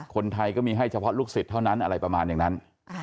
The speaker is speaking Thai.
คนไทยก็มีให้เฉพาะลูกศิษย์เท่านั้นอะไรประมาณอย่างนั้น